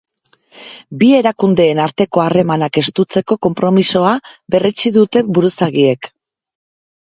Bi erakundeen arteko harremanak estutzeko konpromisoa berretsi dute buruzagiek.